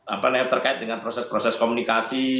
apa namanya terkait dengan proses proses komunikasi